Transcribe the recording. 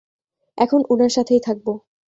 এখন উনার সাথেই থাকবো।